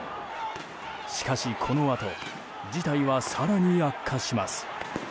しかし、このあと事態は更に悪化します。